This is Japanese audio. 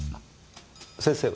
先生は？